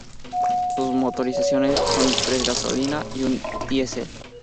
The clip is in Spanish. Sus motorizaciones son tres gasolina y un Diesel.